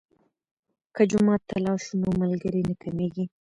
که جومات ته لاړ شو نو ملګري نه کمیږي.